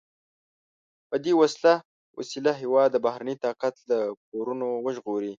په دې وسیله هېواد د بهرني طاقت له پورونو وژغوري.